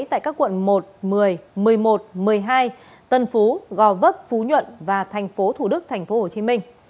tại các quận một một mươi một mươi một một mươi hai tân phú gò vấp phú nhuận và thành phố thủ đức thành phố hồ chí minh